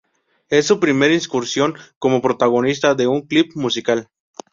Es su primera incursión como protagonista de un clip musical.